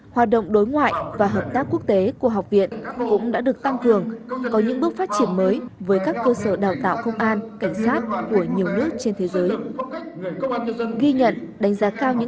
hoạt động đối ngoại và hợp tác quốc tế của học viện cũng đã được tăng cường có những bước phát triển mới với các cơ sở đào tạo công an cảnh sát của nhiều nước trên thế giới